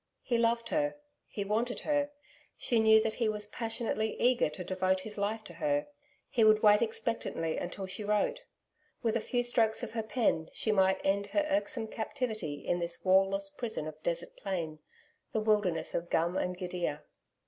He loved her; he wanted her. She knew that he was passionately eager to devote his life to her. He would wait expectantly until she wrote. With a few strokes of her pen she might end her irksome captivity in this wall less prison of desert plain this wilderness of gum and gidia.